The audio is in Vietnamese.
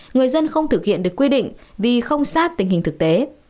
người dân không thực hiện được quy định vì không sát tình hình thực tế